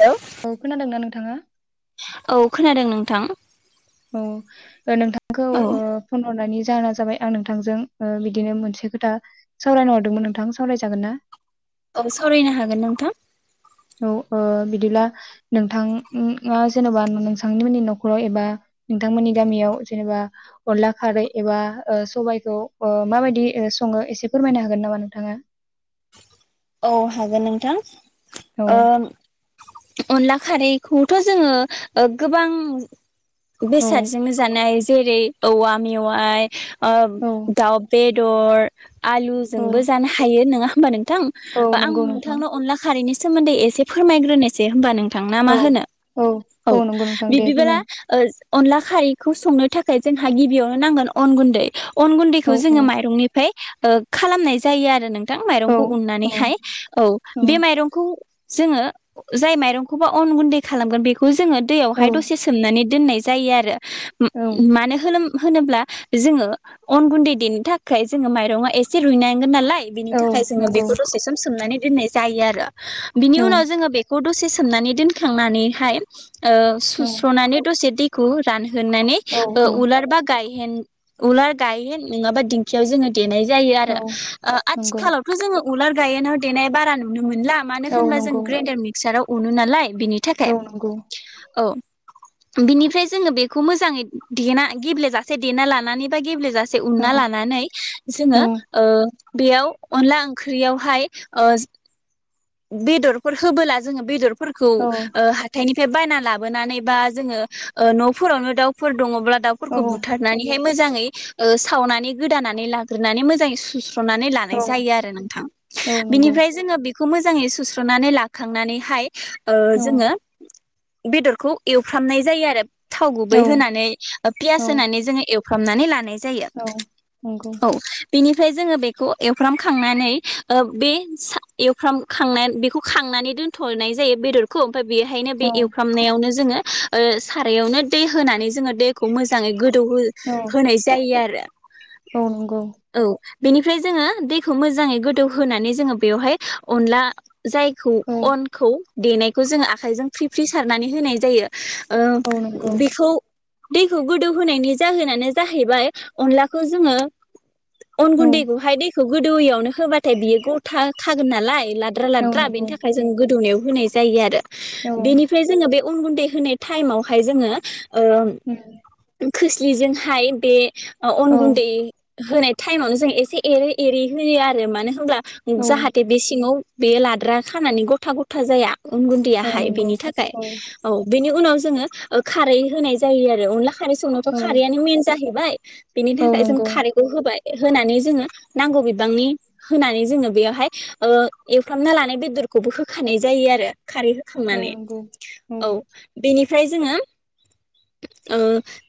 हेल। औ खोनादोंना नोंथाङा? औ खोनादों नोंथां। औ ओ नोंथां। खौ औ फन हरनायनि। जाहो जाबाय आं नोंथांजों बिदिनो मोनसे खोथा सावरायनो हरदोंमोन नोंथां सावरायजागोन ना? औ सावरायनो हागोन नोंथां। औ बिदिब्ला नोंथाङा जेनेबा नोंथांनिमोननि न'खराव एबा नोंथांमोननि गामियाव जेनेबा अनला खारै एबा सबायाइखौ ओ माबायदि सङो एसे फोरमायनो हागोन नामा नोंथाङा? औ हागोन नोंथां। औ ओ। अनला खारैखौथ' जोङो ओ गोबां। औ बेसादजोंनो जानाय। जेरै औवा मेवाइ। आ औ दाउ बेे। दर। औ आलुजोंबो जानो हायो नोङा। होमबा नोंथां। आं औ नंगौ नोंथां नोंथांनो अनला खारैनि। सोमोन्दै एसे फोरमायग्रोनोसै होमबा नों। थां ना मा औ होनो औ नंगौ नोंथां दे बिदिब्ला। फोरमाय अनला खारैखौ संनो थाखाय जोंहा गिबियावनो नांगोन अन गुन्दै। अन औ गुन्दैखौ जोङो माइरंनिफ्राय। ओ खालामनाय जायो आरो नों। थां औ माइरंखौ उननानै। हाय औ बे माइरंखौ। जोङो जाय माइरंखौबा अन गुन्दै खालामगोन बेखौ खौ जोङो औ दैयावहाय दसे सोमनानै दोननाय। जायो आरो। औ मानो होलोम होनोब्ला जोङो अन गुन्दै देनो थाखाय जोङो माइरंङा एसे रुइनांगोन नालाय। बेनि औ थाखाय जोङो बे नंगौ बेखौ दसे सम सोमनानै दोनाय जायो आरो। बिनि औ उनाव जोङो बे खौ दसे सोमनानै दोनखांनानैहाय। ओ औ सुस्र'नानै दसे दै खौ रान होननानै औ ओ औ उलार बा गाय हेन उलार गायहेन नङाबा दिंखियाव जोङो देनाय जायो आरो औ ओ नंगौ आथिखालावथ' जोङो उलार गायोनाव देनाय बारा नुनो मोनो मोनला मानो औ होनबा जों नंगौ ग्राइडार मिक्साराव उनो नालाय बिनि औ थाखाय नंगौ औ बिनिफ्राय जोङो बेखौ मोजाङै देना गेब्लेेजासे देना लानानै बा गेब्लेेजासे से औ उनना लानानै औ जोङो ओ बेयाव अनला ओं ख्रियावहाय ओ बेदरफोर होबोला जोङो बेदर फोरखौ औ ओ हाथायनि फाय बायना लाबोनानै बा जोंङो ओ न फोरावनो दाउफोर दंङ औ दाउफोरखौ बुथारनानैहाय मोजाङै ओ सावनानै गोदानानै लाग्रोनानै मोजाङै सु स्रुनानै लानाय औ जायो आरो नोंथां औ नंगौ बिनिफ्राय जोंङो बे खौ मोजाङै सुस्र'नानै लाखांनानैहाय ओ औ जोङो बेदरखौ एवफ्रामनाय जायो आरो थाव औ गुबै होनानै ओ औ पियास होनानै जोङो फ्रामनानै लानाय जायो औ नंगौ औ बेनिफ्राय जोङो बेखौ एवफ्रामखांनानै बे एवफ्राम खांनानै बेखौ खांनानै दोन्थ'नाय जायो बेदरखौ दा बेहायनो औ बे एवफ्रामनायावनो जोङो सारायावनो दै होनानै जोो दैखौ मोजाङै गोदौ औ नंगौ होनाय जायो आरो औ नांगौ औ बेनिफ्राय जोङो दैखौ मोजाङै गोदौ होनोनानै जोङो बेवहाय अनला जायखौ अनखौ देनायखौ जोङो आखाइजों फ्रि फ्रि सारनानै होनाय जायो। औ नंगौ औ ओ नंगौ बेखौ दैखौ गोदौ होनोनायनि जाहोनानो जाहैबाय अनलाखौ जोङो अन गुन दख हाय दैख गोदौयावनो होबाथाय बियो गथा खागोन नालाय लाद्रा लाद्रा बेनि थाखाय जों गोदौनायाव होनाय जायो आरो। औ बेनिफ्राय जोङो बे उन गुन्दै होनाय टाइमावहाय जोङो ओ [unintelligible] खोस्लिजोंहाय बे अन गुन्दै होनाय टाइमावनो जों एसे एरै एरै होयो आरो मानो होनब्ला जाहाथ सि सिङाव बे लाद्रा खानानै गथा गथा जाया। उन गुन्दैय हाय बेनि थाखाय औ बेनि उनाव जोङो खारै होनाय जायो आरो अनला खारै संनायथ' औ नंगौ औ नंगौ औ नंगौ औ औ खारैआ मेन जाहै बाय बिनि औ थाखाय जों खारैखौ होबाय होनानै जोङो नांगौ बिबांनि होनानै जोङो बेवहाय एवफ्रामना लानाय बेदरखौबो होखानाय जायो आरो। खारै होखांनानै औ नंगौ बेनि फ्राय जोङो ओ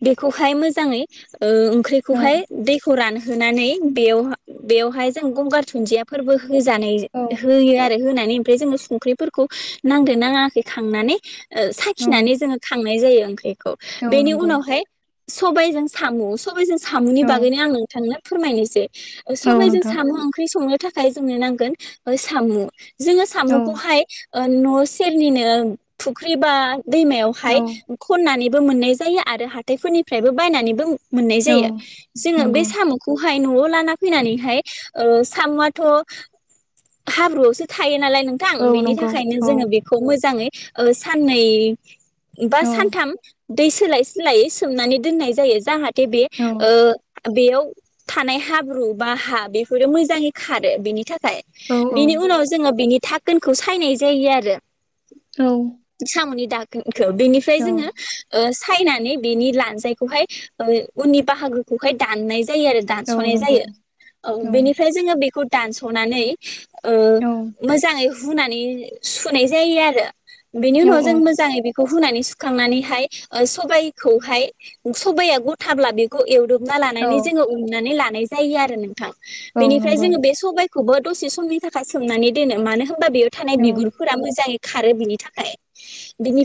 बे खौहाय मोजाङै ओ ओंख्रिखौहाय दैखौ रान होनानै बेवहा बेवहाय जों गंगार धुन्दिया फोरबो होजानायजो होयो आरो होना [unintelligible] ओमफाय जोङो संख्रिफोरखौ नांदो नाङाखै खांनानै ओ साखिनानै जोङो खांनाय जायो। ओंख्रि खौ बेनि उनावहाय सबायजों सामु सबायजों सामुनि औ बागैनो आं नोंथांनो फोरमायनोसै ओ औ सबायजों नोंथां सामु ओंख्रि संनो थाखा जोंनो नांगोन ओ सामु जोङो औ सामुखौहाय ओ न सेरनिनो फुख्रिबा दैमायावहाय औ खननानै बो मोननाय जायो आरो हाथायफोरनिफ्रायबो बायनानैबो मोननाय औ जायो जोङो बे नंगौ साम खौहाय नआव लाना फैनानैहाय ओ सामुआथ हाब्रुआवसो थायो नालाय नोंथां औ बेनि नंगौ थाखायनो औ जोङो बेखौ मोजाङै ओ साननै बा सानथाम दै सोलाय सोलायै सोमनानै दोननाय जायो जाहाथ दे बे औ ओ बेयाव थानाय हाब्रु बा हा बेफोरो मोजाङै खारो बेनि थाखाय औ बिनि उनाव जोङो बिनि थाकोनखौ सायनाय जायो आरो औ सामुनि दाखोन खौ बेनिफ्राय औ जोङो ओ खायनानै बेनि लानजायखौहाय ओ उननि बाहागोखौहाय दाननाय जायो आरो औ दानसनाय नंगौ जायो औ बेनिफ्राय जोङो बेखौ दानसनानै [unintelligible] ओ औ मोजाङै हुनानै सुनाय जायो आरो। बिनि औ उनाव जों मोजाङै बे खौ होनानै सुखांनानैहाय ओ सबाइखौहाय सबाइआ गथाब्ला बेखौ एवदब ना लानानै जोङो उननानै ला नाय जायो आरो नोंथां। औ औ बेनिफ्राय नंगौ जोङो बे सबाय खौबो दसे समनि थाखाय सोमनानै दोनो मानो होन होमबा बेयाव थानाय औ बिगुरफोरा मोजाङै खारो बिनि थाखाय।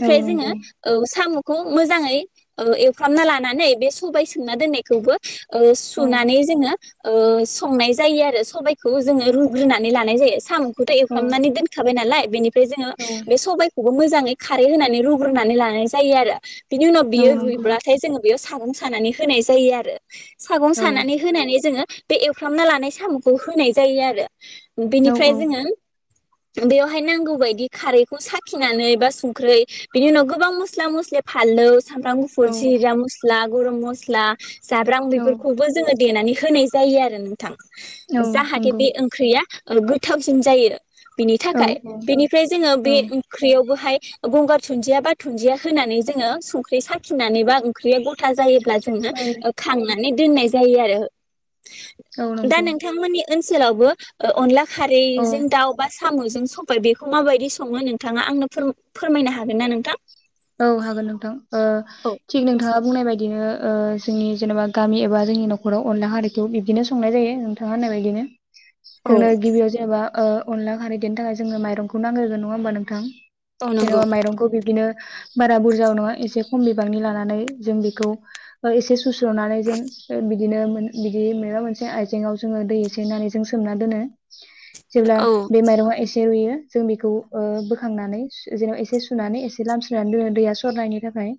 औ जोङो नंगौ औ साम' खौ मोजाङै ओ एवफ्रामना लानानै बे सबाय सोमना दोननायखौबो ओ औ सुनानै जोङो ओ संनाय जायो आरो सबायखौ जोङो रु रुनानै लानाय जायो साम' खौथ' औ एवफ्रामनानै दोनखाबाय नालाय बिनि फ्राय जोङो औ बे सबाय खौबो मोजाङै खारै होनानै रुग्रोनानै लानाय जायो आरो। बिनि उनव औ नंगौ औ बियो नंगौ रुइब्लाथाय जोङो बेयाव सागं सानानै होनाय जायो आरो। सागं औ सानानै होनानै जोङो बे एवफ्रामना लानाय साम'खौ होनाय जायो आरो ओ औ बेनिफ्राय जोङो बेवहाय नांगौ बायदि खारैखौ साखिनानै बा संख्रै बिनि उनाव गोबां मस्ला मस्लि फानलौ सामब्राम औ गुफुरज जिरा मस ला गरम मसला जाब्रां बेफोरखौबो जोङो देनानै होनाय जायो आरो न थां औ औ जाहाथे नंगौ बे ओं ख्रैया ओ गोथावसिन जायो। बिनि थाखाय बेनिफ्राय जोङो बे ओंख्रियावबोहाय ओ गंगार दुन्दिया बा दुन्दिया होनानै जोङो संख्रि साखिनानै बा ओंख्रिया गथा जायो अब्ला जोङो खांना माने दोननाय जायो आरो दा नोंथांमोननि ओनसोलावबो ओ अनला औ खारैजों दाउ बास साम'जों सबाय बेखौ माबायदि सङो नोंथाङा आंनो फोर फोरमायनो हागोन ना नोंथां? औ हागोन नोंथां ओ औ थिग नोंथाङा बुंनाय बायदिनो ओ जोंनि जेनेबा गामि एबा जोंनि नखराव अनला हारिखौ बिब्दिनो संनाय जायो नोंथाङा होननाय बायदिनो औ जोंनो गिबियाव जायाबा ओ अनला खारैदेनो थाखाय जोङो माइरंखौ नांग्रोगोन नङा होमबा नोंथां औ नंगौ जेनेबा माइरंखौ बिबदिनो बारा बुरजाबो नङा ए एसे खम बिबांनि लानानै जों बेखौ ओ एसे सुस्र'नानै जों ओ बिदिनो मोन बिदि माबा मोनसे आइजेंआव जोङो दै एसे होननानै जों सोमना दोनो जेब्ला औ बे मायरंआ एसे एसे रुयो जों बिखौ ओ बोखांनानै जेनेबा एसे सुनानै एसे लामा [unintelligible] दैया सरनायनि थाखाय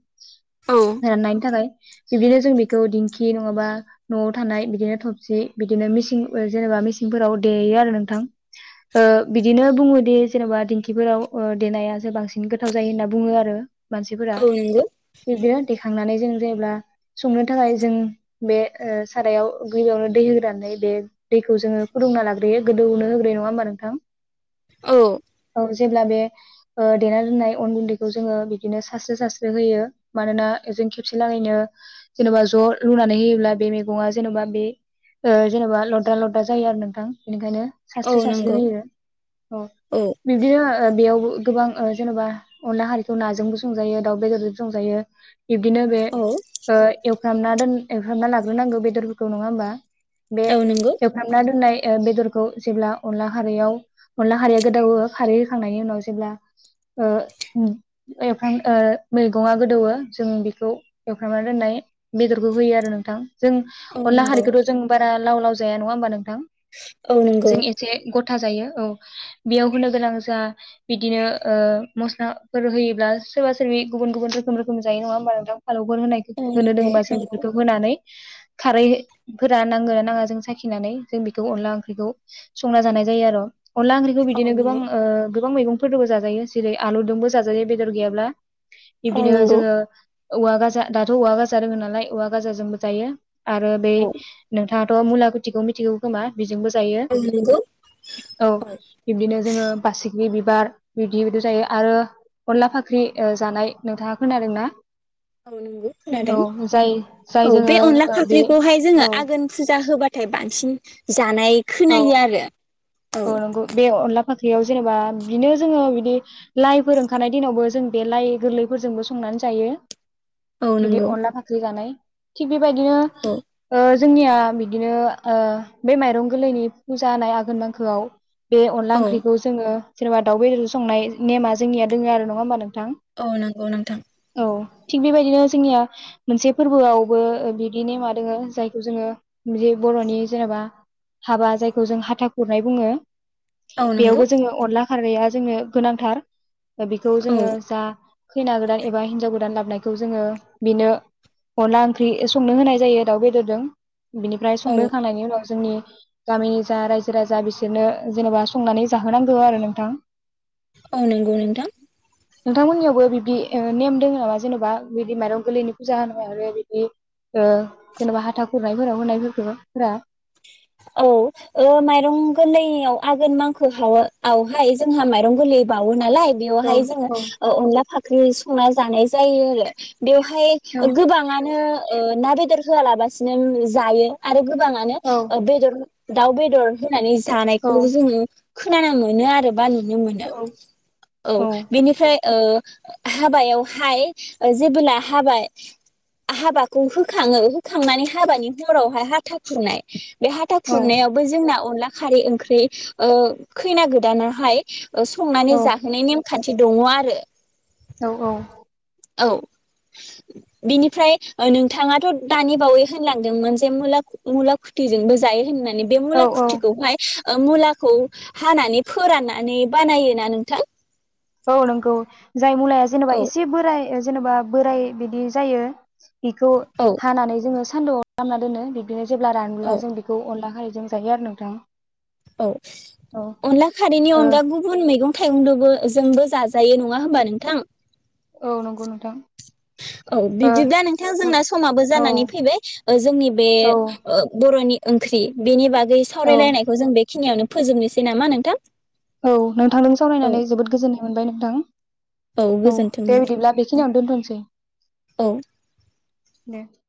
औ राननायनि थाखाय बिब्दिनो जों बेखौ दिंखि नङाबा न'आव थानाय बिदिनो थबसि बिदिनो मिसिं जेनेबा मिसिंफोराव देयो आरो नोंथां ओ बिदिनो बुङोदि जेनेबा दिंखिफोराव ओ देनाया जो बांसिन गोथाव जायो होनना बुङो आरो मानसिफोरा औ नंगौ बिबदिनो देख थांनानै जों जेब्ला संनो थाखाय जों बे ओ सारायाव गबियावनो दै होग्रानै बे दैखौ जोङो फुदुंना लाग्रोयो गोदौनो होग्रोयो नङा होमबा नोंथां औ औ जेब्ला बे ओ देना दोननाय अन गुन्दै बेखौ जोङो बिदिनो सारस्रो सास्रो होयो मानोना जों खेबसे लागैनो जेनेबा ज' लुनानै होयोब्ला बे मैगङा जेन'बा बे ओ जेनेबा लददा लददा जायो आरो नोंथां इनिखायनो औ सास्रि सास्रि नंगौ होयो ओ औ बिब्दिनो ओ बेयावबो गोबां ओ जेनेबा अनला खारिखौ नाजोंबो संजायो दाउ बेदरजोंबो संजायो बिब्दिनो बे औ ओ एव एवफ्रामना दोन एवफ्रामना लाग्रोनांगौ बेदरफोरखौ नङा होमबा बे औ नंगौ एवफ्रामना दोननाय ए बेदरखौ जेब्ला अनला खारियाव अनला खारिया गोदौवो खारै होखांनायनि उनाव जेब्ला ओ उम एवफ्रां ओ मैगंआ गोदौवो जों बेखौ एवफ्रांना दोननाय बेदरखौ होयो आरो नोंथां जों औ अनला नंगौ खारिखौथ' जों बारा लाव लाव जाया नङा होनबा नों औ नंगौ जों एसे गथ थाजायो औ बेयाव होनो गोनां जा बिदिनो ओ मस्लाफोर होयोब्ला सोरबा सोरबि गुबुन गुबुन रोखोम रोखोम जायो नङा होमबा नोंथां फालौफोर होनाय औ होनो नंगौ दोङोबा जों बेफोरखौ होनानै खारैफोरा नांगोना नाङा जों साखिनानै जों बेखौ अनला ओंख्रिखौ संना जानाय जायो आरो अनला ओंख्रिखौ औ बिदिनो गोबां नंगौ ओ गोबां मैगंफोरफोरखौबो जाजायो जेरै आलुजोंबो जाजायो बेदर गैयाब्ला औ बिब्दिनो नंगौ जोङो औवा गाजा दाथ' औवा गाजा दोङो नालाय औवा गाजाजोंबो जायो आरो बे औ नो हाथ' मुलाखुथिखौ मिथिगौ खोमा बेजोंबो जायो औ नंगौ औ बिब्दिनो जोङो बासिगि बार बि बेबायदि जायो आरो अनला ओ फाख्रि जानाय नोंथाङा खोनादोंना औ नंगौ औ खोनादों जाय जाय औ जोङो बे अनला ओ बे फाख्रिखौहाय औ जोङो आघोन फुजा होबाथाय बांसिन जानाय औ खोनायो आरो औ नंगौ बे अनला फाख्रियाव जेनेबा बिनो जोङो बिदि लाइफोर ओंखारनाय दिनावबो जों बे लाइ गोरलैफोरजोंबो संनानै जायो औ बिदि नंगौ अनला फाख्रि जानाय थिग बेबायदिनो औ ओ जोंनिया बिदिनो ओ बे माइरं गोरलैनि फुजा होनाय आघोन नांखोआव बे अनला औ ओंख्रिखौ जोङो जेनबा दाउ बेदर संनाय नेमा जोंनिया दङ आरो नङा होमबा नों औ नंगौ नोंथां थिग बेबायदिनो जोंनिया मोनसे फोरबोआवबो बिदि नेमा दोङो जायखौ जोङो बे बर'नि जेनेबा हाबा जायखौ जों हाथा खुरनाय बुङो औ नंगौ बेयावबो जोङो अनला खारदैया जोंनो गोनांथार दा बेखौ औ जोङो जा खैना गोदान एबा हिनजाव गोदान ला नायखौ जोङो बेनो अनला ओंख्रि संनो होनाय जायो दाउ बेदरजों बिनिफ्राय औ संनो होखांनायनि उनाव जोंनि गामिनि जा रायजो राजा बिसोरनो जेनेबा संनानै जाहोनांगौ आरो नोंथां। औ नंगौ नोंथां। नोंथांमोननियावबो बिदि नेम दङ जेनेबा बिदि माइरं गोरलैनि फुजा होनाय आरो ओ हाथा खुरनायफोराव होनायफोरखौ बुंदों होनायफोरखौफोरा औ माइरं गोरलैआव आघोन मांखोवहाय जोंहा माइरं गोरलै बावो ना। ना लाय औ बेहाय जों औ अनला फाख्रि संना जानाय जायो आरो। बेवहाय औ गोबाङानो। ओ ना बेदर होया लाबासिनो जायो आरो। गोबाङानो। दाउ बेदर होनानै। जानायखौबो औ जोङो। खोनानो मोनो आरो। बा नुनो मोनो। औ बेनिफ्राय। ओ हाबायावहाय जेब्ला हाबा हाबाखौ होखाङो होखांनानै हाबानि हरावहाय हाथा खुरनाय। बे हाथा औ खुरनायावबो जोंना अनला खारै ओंख्रि ओ खैना गोदानाहाय। औ संनानै जा नेमखान्थि दङ आरो। औ-औ। औ बिनिफ्राय नोंथाङाथ' दानि बावै होनलांदोंमोन जे मुला मुला खुथिजोंबो जायो होननानै। बे मुला औ खुथिखौहाय। मुलाखौ हानानै फोराननानै बानायोना नोंथां। औ नंगौ। जाय मुलाया जेनेबा औ एसे बोराय। जेनेबा बोराय बिदि जायो। बेखौ औ हानानै जोङो सान्दुंआव लामना दोनो बिदिनो जेब्ला औ रानोब्ला जों बेखौ अनला खारै जों जायो आरो नोंथां। औ औ अनला खारैनि ओ अनगा गुबुन मैगं। थाइगंदोबो जोंबो जाजायो नङा होमबा नोंथां। औ नंगौ नोंथां। औ ओ बिदिबा नोंथां जोंना समाबो औ जानानै फैबाय जोंनि बे औ बर'नि ओंख्रि बेनि बागै बे औ सावरायलायनायखौ जों बे खिनियावनो फोजोबनोसै नामा नोंथां? औ नोंथांदों औ सावरायनानै जोबोद गोजोननाय मोनबाय नोंथां। औ दे बिदिब्ला नोंथां बेखिनियावनो दोनथ'सै। औ दे